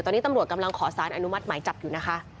ตอนนี้ตำรวจกำลังขอสารอนุมัติหมายจับอยู่นะคะ